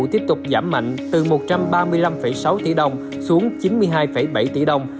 tiếp tục giảm mạnh từ một trăm ba mươi năm sáu tỷ đồng xuống chín mươi hai bảy tỷ đồng